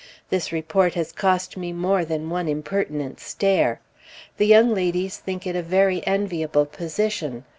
This report has cost me more than one impertinent stare. The young ladies think it a very enviable position.